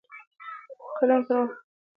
د قلم پر څوکو ورتویوي